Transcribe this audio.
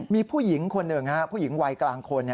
มีผู้หญิงคนหนึ่งผู้หญิงวัยกลางคน